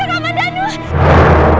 kakak kaman dhanu